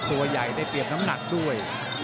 ตัวใหญ่ได้เปรียบน้ำหนักด้วย